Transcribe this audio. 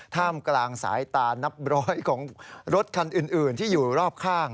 ท่ามกลางสายตานับร้อยของรถคันอื่นที่อยู่รอบข้าง